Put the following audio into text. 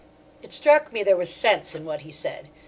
It struck me there was sense in what he said.